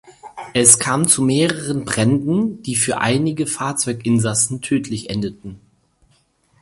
Es kam zu mehreren Bränden, die für einige Fahrzeuginsassen tödlich endeten.